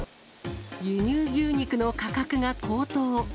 輸入牛肉の価格が高騰。